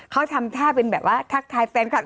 เขาทำท่าเป็นแบบว่าทักทายแฟนคลับ